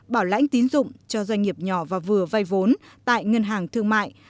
bảo lãnh tiến dụng cho doanh nghiệp nhỏ và vừa vai vốn tại ngân hàng thương mại